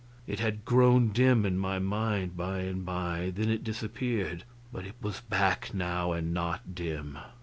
It had grown dim in my mind, by and by, then it disappeared; but it was back now, and not dim.